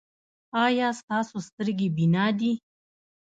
ایا ستاسو سترګې بینا دي؟